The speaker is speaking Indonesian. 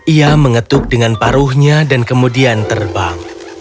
ia mengetuk dengan paruhnya dan kemudian terbang